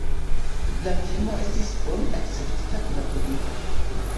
La filmo estis bone akceptita de la publiko.